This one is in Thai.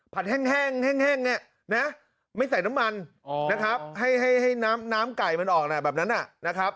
ผัดแห้งไม่ใส่น้ำมันให้น้ำไก่มันออกแบบนั้นนะครับ